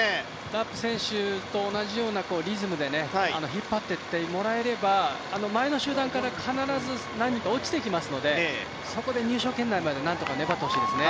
ラップ選手と同じようなリズムで引っ張っていってもらえれば前の集団から必ず何人か落ちてきますので、そこで、入賞圏内までなんとか粘ってほしいですね。